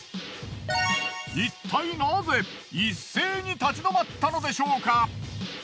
いったいナゼ一斉に立ち止まったのでしょうか？